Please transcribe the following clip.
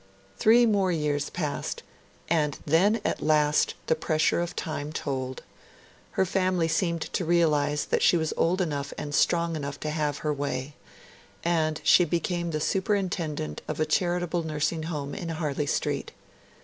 Three more years passed, and then at last the pressure of time told; her family seemed to realise that she was old enough and strong enough to have her way; and she became the superintendent of a charitable nursing home in Harley Street.